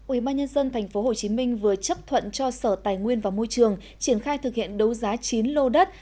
ủy ban nhân dân tp hcm vừa chấp thuận cho sở tài nguyên và môi trường triển khai thực hiện đấu giá chín lô đất